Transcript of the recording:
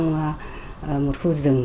trong một khu rừng